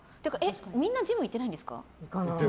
みんなジム行ってないんですか？